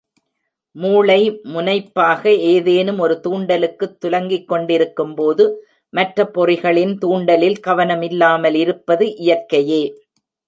மூளை, முனைப்பாக ஏதேனும் ஒரு தூண்டலுக்குத் துலங்கிக்கொண்டிருக்கும் போது, மற்ற பொறிகளின் தூண்டலில் கவனம் இல்லாமல் இருப்பது இயற்கையே.